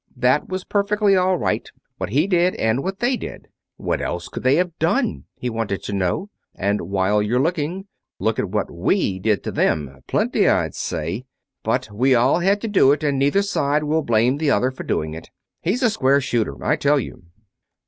"That was perfectly all right, what he did and what they did what else could they have done?" he wanted to know. "And while you're looking, look at what we did to them plenty, I'd say. But we all had it to do, and neither side will blame the other for doing it. He's a square shooter, I tell you."